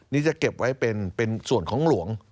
นี่จะเก็บไว้เป็นส่วนของหลวง